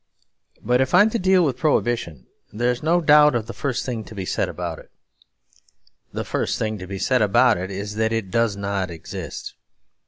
But if I am to deal with Prohibition, there is no doubt of the first thing to be said about it. The first thing to be said about it is that it does not exist.